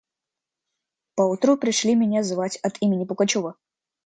Поутру пришли меня звать от имени Пугачева.